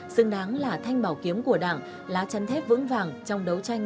xứng đáng là thanh bảo kiếm của đảng lá chân thép vững vàng trong đấu tranh